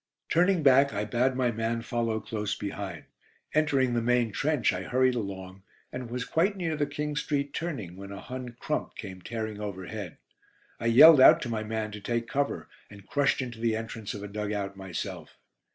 Turning back, I bade my man follow close behind. Entering the main trench, I hurried along, and was quite near the King Street turning when a Hun "crump" came tearing overhead. I yelled out to my man to take cover, and crushed into the entrance of a dug out myself.